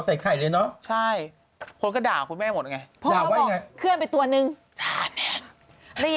แต่เขาไม่ได้ซื้ออยู่ที